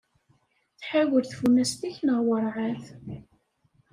Tḥawel tfunast-ik neɣ werɛad?